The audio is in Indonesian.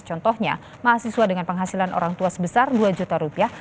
contohnya mahasiswa dengan penghasilan orang tua sebesar dua juta rupiah